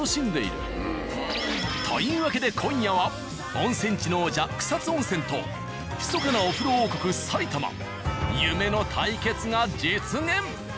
というわけで今夜は温泉地の王者草津温泉とひそかなお風呂王国埼玉夢の対決が実現！